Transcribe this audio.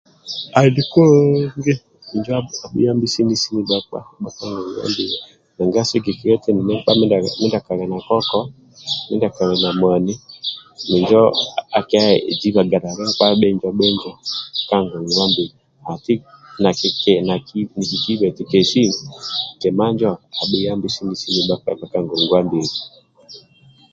Andi kulungi injo abhuyambi sini sini bhakpa ndibha ka ngongwa mbili nanga sigikilia eti endindi nkpa mindia kali na koko mindia kali na mwani minjo akiezibaga bhinjo bhinjo ka ngongwa mbili ati naki nikiba eti kima njo abhuayambi sini sini bhakpa ndibha ka ngongwa mbili